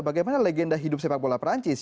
bagaimana legenda hidup sepak bola perancis